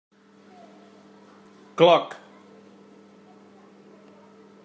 Cloc.